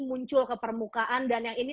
muncul ke permukaan dan yang ini